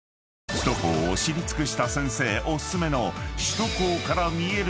［首都高を知り尽くした先生お薦めの］